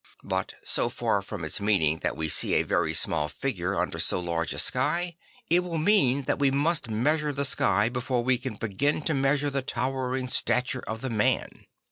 But so far from its meaning that we see a very small figure under so large a sky, it will mean that we must measure the sky before we can begin to measure the towering stature of the man.